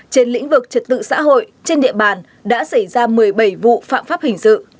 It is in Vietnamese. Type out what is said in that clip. trên lĩnh vực trật tự xã hội trên địa bàn đã xảy ra một mươi bảy vụ phạm pháp hình sự